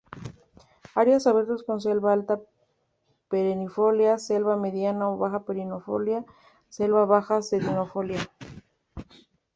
Áreas abiertas con selva alta perennifolia, selva mediana o baja perennifolia, selva baja caducifolia.